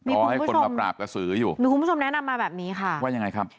ขอให้คนมาปราบกระสืออยู่มีคุณผู้ชมแนะนำมาแบบนี้ค่ะว่ายังไงครับ